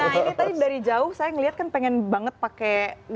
nah ini tadi dari jauh saya ngeliat kan pengen banget pakai